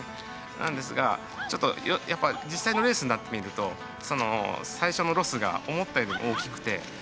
なんですがちょっとやっぱ実際のレースになってみると最初のロスが思ったより大きくてちょっとやきもきしてました。